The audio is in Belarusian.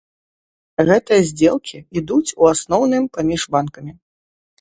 Гэтыя здзелкі ідуць, у асноўным, паміж банкамі.